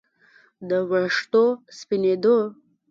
د ویښتو سپینېدو